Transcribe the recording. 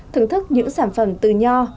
thưởng thức những sản phẩm từ nho